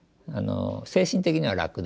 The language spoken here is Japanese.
精神的には楽です。